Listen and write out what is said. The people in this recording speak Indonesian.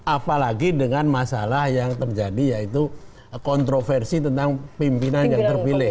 apalagi dengan masalah yang terjadi yaitu kontroversi tentang pimpinan yang terpilih